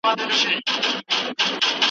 ایا استاد د څيړني لارښوونې تازه کوي؟